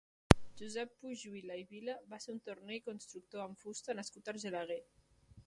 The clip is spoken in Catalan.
Josep Pujiula i Vila va ser un torner i constructor amb fusta nascut a Argelaguer.